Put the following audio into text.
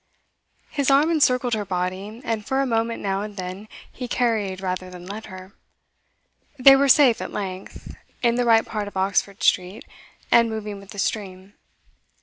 His arm encircled her body, and for a moment now and then he carried rather than led her. They were safe at length, in the right part of Oxford Street, and moving with the stream.